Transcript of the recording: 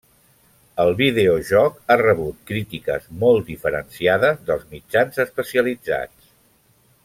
El videojoc ha rebut crítiques molt diferenciades dels mitjans especialitzats.